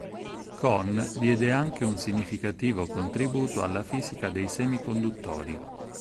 Kohn diede anche un significativo contributo alla fisica dei semiconduttori.